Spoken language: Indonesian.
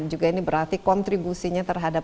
juga ini berarti kontribusinya terhadap